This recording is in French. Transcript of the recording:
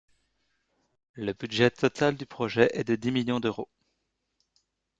Le budget total du projet est de dix millions d'euros.